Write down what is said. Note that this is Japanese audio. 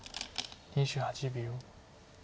２８秒。